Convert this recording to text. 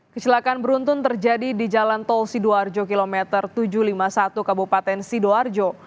kecelakaan beruntun terjadi di jalan tol sidoarjo km tujuh ratus lima puluh satu kabupaten sidoarjo